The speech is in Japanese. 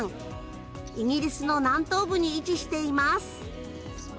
イギリスの南東部に位置しています。